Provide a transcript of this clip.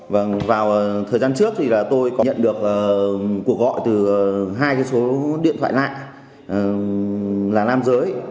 vâng vào thời gian trước thì là tôi có nhận được cuộc gọi từ hai cái số điện thoại lạ là nam giới